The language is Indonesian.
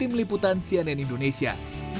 tim liputan cnn indonesia